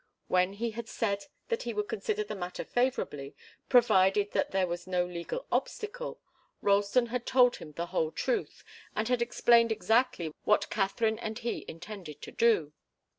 When he had said that he would consider the matter favourably, provided that there was no legal obstacle, Ralston had told him the whole truth, and had explained exactly what Katharine and he intended to do.